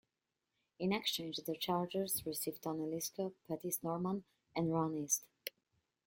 In exchange, the Chargers received Tony Liscio, Pettis Norman, and Ron East.